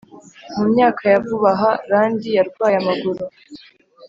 Mu myaka ya vuba aha randi yarwaye amaguru